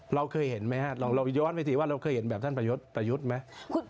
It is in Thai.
เราเคยเห็นไหมฮะเราย้อนไปสิว่าเราเคยเห็นแบบท่านประยุทธ์ประยุทธ์ไหม